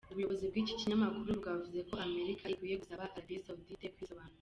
Ubuyobozi bw'iki kinyamakuru bwavuze ko Amerika ikwiye gusaba Arabie Saoudite kwisobanura.